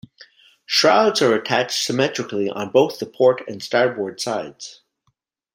Shrouds are attached symmetrically on both the port and starboard sides.